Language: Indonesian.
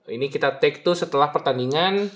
ini kita take to setelah pertandingan